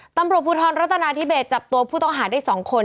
ตำรวจภูทรรัฐนาธิเบสจับตัวผู้ต้องหาได้๒คน